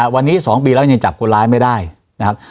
วันนี้๒ปีแล้วยังจับคนร้ายไม่ได้นะครับ